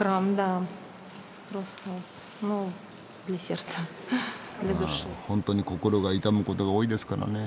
あ本当に心が痛むことが多いですからね。